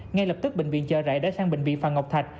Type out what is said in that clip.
ngay lập tức bệnh viện chờ rảy đã sang bệnh viện phạm ngọc thạch